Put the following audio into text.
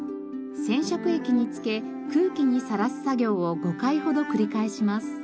染色液に漬け空気にさらす作業を５回ほど繰り返します。